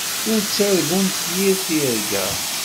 Ur ttargunt yir tirga.